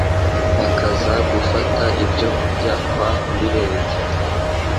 bakaza gufata ibyo kurya kwa Mirenge.